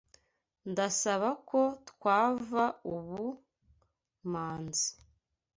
Ndasaba ko twava ubu, Manzi.